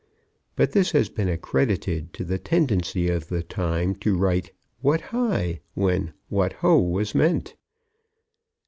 but this has been accredited to the tendency of the time to write "What hi" when "what ho" was meant.